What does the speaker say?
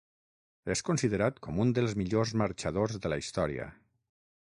És considerat com un dels millors marxadors de la història.